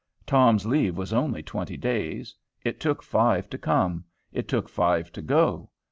Tom's leave was only twenty days. It took five to come. It took five to go.